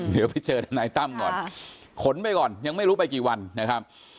เดี๋ยวไปเจอทนายตั้มก่อนขนไปก่อนยังไม่รู้ไปกี่วันนะครับ